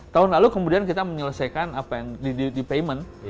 tahun lalu kemudian kita menyelesaikan apa yang di payment